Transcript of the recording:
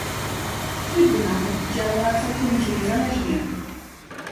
Trybunał działa całkowicie niezależnie